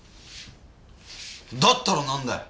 だったらなんだよ？